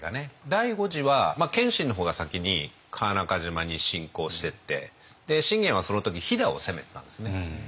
第五次は謙信の方が先に川中島に侵攻してって信玄はその時飛を攻めてたんですね。